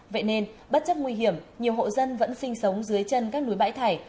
vậy nên bất chấp nguy hiểm nhiều hộ dân vẫn sinh sống dưới chân các núi bãi thải